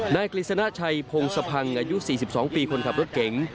นายกลิสนาชัยพงศพังอายุ๔๒ปีคนขับรถเก๋ง